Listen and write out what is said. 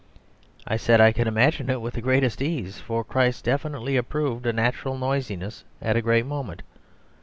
I said I could imagine it with the greatest ease; for Christ definitely approved a natural noisiness at a great moment.